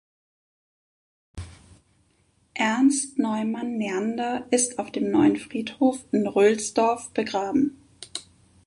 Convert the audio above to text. Ernst Neumann-Neander ist auf dem neuen Friedhof in Rölsdorf begraben.